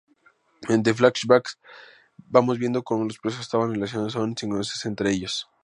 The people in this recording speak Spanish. Mediante flashbacks vamos viendo como los personajes estaban relacionados aún sin conocerse entre ellos.